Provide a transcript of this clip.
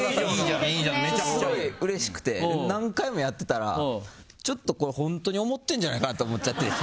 すごいうれしくて何回もやっていたらこれ本当に思ってんじゃないの？って思っちゃって。